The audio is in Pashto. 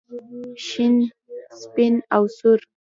شین سپین او سور.